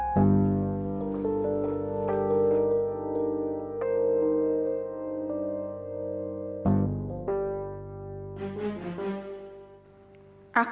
kamu tenang dulu